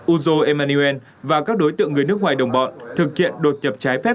uzo emmanuel và các đối tượng người nước ngoài đồng bọn thực hiện đột nhập trái phép